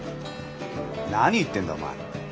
何言ってんだお前。